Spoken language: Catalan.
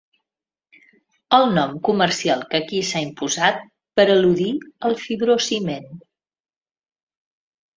El nom comercial que aquí s'ha imposat per al·ludir al fibrociment.